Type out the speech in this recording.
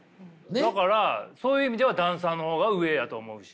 だからそういう意味ではダンサーの方が上やと思うし。